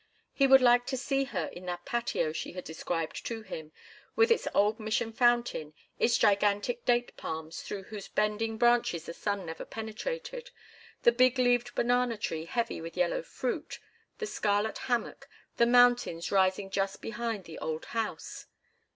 He would like to see her in that patio she had described to him, with its old mission fountain, its gigantic date palms through whose bending branches the sun never penetrated, the big leaved banana tree heavy with yellow fruit, the scarlet hammock, the mountains rising just behind the old house.